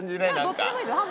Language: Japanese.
どっちでもいいですよ